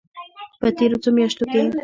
په تېرو څو میاشتو کې